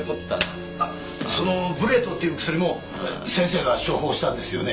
そのブレトっていう薬も先生が処方したんですよね？